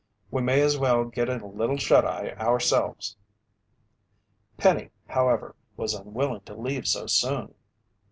"We may as well get a little shut eye ourselves." Penny, however, was unwilling to leave so soon.